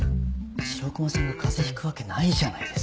白熊さんが風邪ひくわけないじゃないですか。